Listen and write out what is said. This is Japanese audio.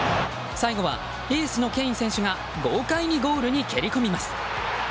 最後はエースのケイン選手が豪快にゴールに蹴り込みます。